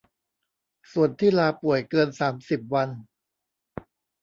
ส่วนที่ลาป่วยเกิน สามสิบ วัน